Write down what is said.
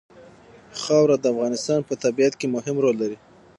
خاوره د افغانستان په طبیعت کې مهم رول لري.